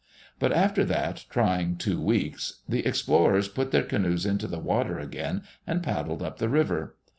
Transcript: But after that trying two weeks, the explorers put their canoes into the water again and paddled up the river.